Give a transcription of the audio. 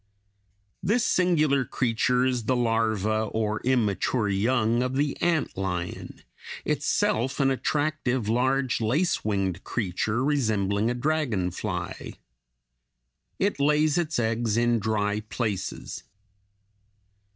This singular creature is the larva or immature young of the ant lion itself an attractive, large, lace winged creature (Fig. 188), resembling a dragon fly. It lays its eggs in dry places.